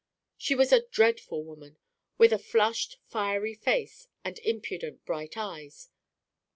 She was a dreadful woman, with a flushed, fiery face and impudent, bright eyes.